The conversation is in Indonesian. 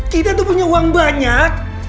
kita tuh punya uang banyak